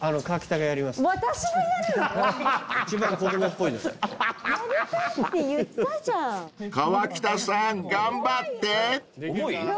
［河北さん頑張って］